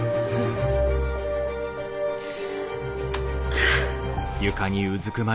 はあ。